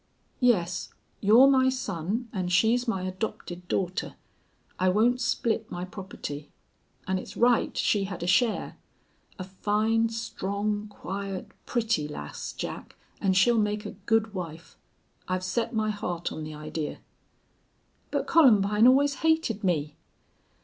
"Yes. You're my son an' she's my adopted daughter. I won't split my property. An' it's right she had a share. A fine, strong, quiet, pretty lass, Jack, an' she'll make a good wife. I've set my heart on the idee." "But Columbine always hated me."